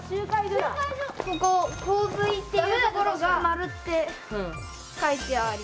ここ「洪水」っていうところが「○」って書いてある。